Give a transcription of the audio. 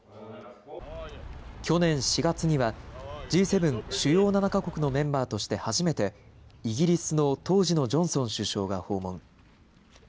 去年４月にはＧ７・主要７か国のメンバーとして初めてイギリスの当時のジョンソン首相が訪問。